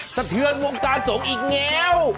สะเทือนวงการสงฆ์อีกแงว